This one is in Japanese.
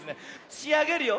しあげるよ。